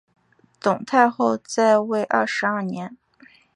董太后在位二十二年。